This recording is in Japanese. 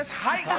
はい。